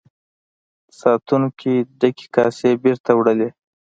ساتونکو ډکې کاسې بیرته وړلې.